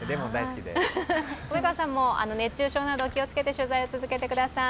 粂川さんも熱中症など気をつけて取材を続けてください。